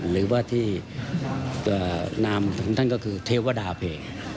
หรือว่าที่นามของท่านก็คือเทวดาเพลง